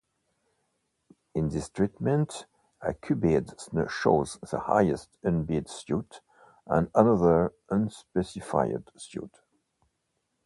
In this treatment a cuebid shows the highest unbid suit and another unspecified suit.